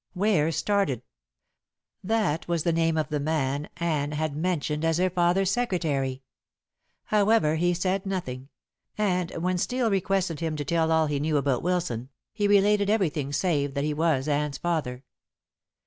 Ware started. That was the name of the man Anne had mentioned as her father's secretary. However, he said nothing, and when Steel requested him to tell all he knew about Wilson, he related everything save that he was Anne's father.